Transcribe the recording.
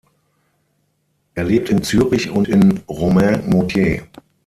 Er lebt in Zürich und in Romainmôtier.